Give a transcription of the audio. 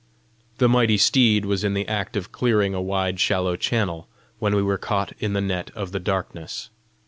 The mighty steed was in the act of clearing a wide shallow channel when we were caught in the net of the darkness.